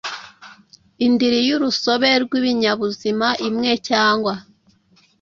Indiri y urusobe rw ibinyabuzima imwe cyangwa